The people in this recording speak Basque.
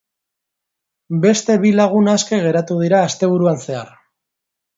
Beste bi lagun aske geratu dira asteburuan zehar.